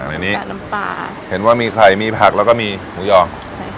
ในนี้เห็นว่ามีไข่มีผักแล้วก็มีหมูยอง